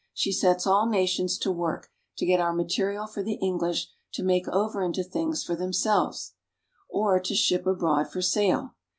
She sets all nations to work to get out material for the English to make over into things for themselves, or to ship abroad for sale.